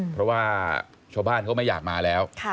เพราะว่าชาวบ้านเขาไม่อยากมาแล้ว